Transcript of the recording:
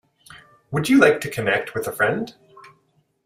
Would you like to connect with a friend?